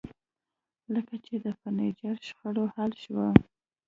کله چې د فرنیچر شخړه حل شوه